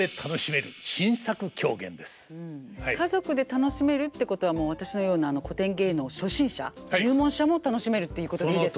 家族で楽しめるってことは私のような古典芸能初心者入門者も楽しめるっていうことでいいですか？